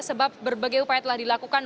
sebab berbagai upaya telah dilakukan